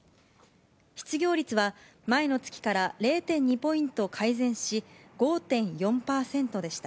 失業率は前の月から０．２ポイント改善し、５．４％でした。